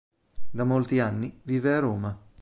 Da molti anni vive a Roma.